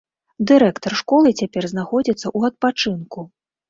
Дырэктар школы цяпер знаходзіцца ў адпачынку.